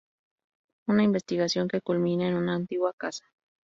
Una investigación que culmina en una antigua casa.